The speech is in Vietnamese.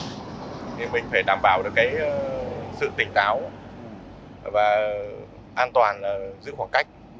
thì mình phải đảm bảo được cái sự tỉnh táo và an toàn giữ khoảng cách